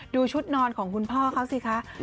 ดูชุดนอนของคุณพ่อเขาสิคะ